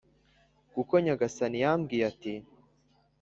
Kuko Nyagasani yambwiye ati